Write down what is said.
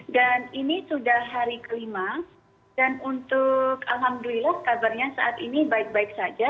dan ini sudah hari kelima dan untuk alhamdulillah kabarnya saat ini baik baik saja